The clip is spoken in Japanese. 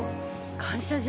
感謝状！？